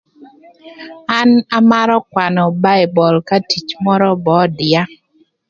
An amarö kwanö baibol ka tic mörö ba ödïa.